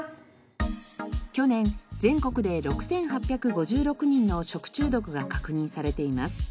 去年全国で６８５６人の食中毒が確認されています。